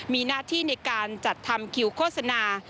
มีหน้าที่ในการจัดทำคิวโฆษณา